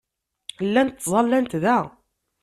Llant ttẓallant da.